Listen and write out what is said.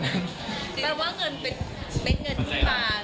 แปลว่าเงินเป็นเงินที่มา